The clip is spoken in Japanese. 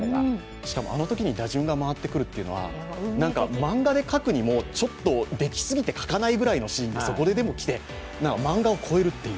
しかも、あのときに打順が回ってくるのは、漫画で描くにもちょっと、できすぎて描かないくらいのシーン、そこででも来手、漫画を超えると。